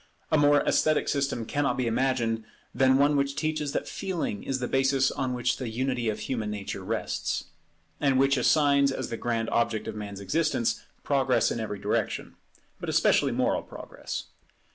A more esthetic system cannot be imagined than one which teaches that Feeling is the basis on which the unity of human nature rests; and which assigns as the grand object of man's existence, progress in every direction, but especially moral progress.